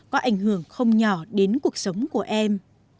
có ảnh hưởng không nhỏ đến cuộc sống của em